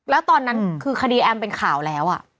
แล้วตอนนั้นคือคดีแอมเป็นข่าวแล้ว